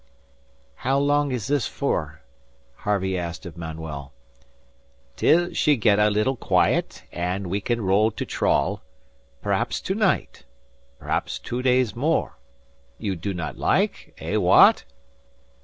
"How long is this for?" Harvey asked of Manuel. "Till she get a little quiet, and we can row to trawl. Perhaps to night. Perhaps two days more. You do not like? Eh, wha at?"